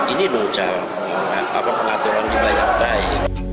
ini dong cara pengaturan limbah yang baik